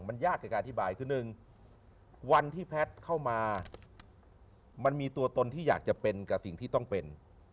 มันยากจากการอธิบายคือหนึ่งวันที่แพทย์เข้ามามันมีตัวตนที่อยากจะเป็นกับสิ่งที่ต้องเป็น